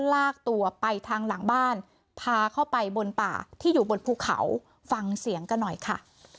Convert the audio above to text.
ลากตัวไปทางหลังบ้านพาเข้าไปบนป่าที่อยู่บนภูเขาฟังเสียงกันหน่อยค่ะ